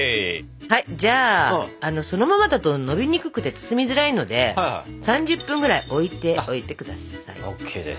じゃあそのままだとのびにくくて包みづらいので３０分ぐらい置いておいて下さい。